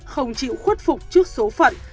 không chịu khuất phục trước số phận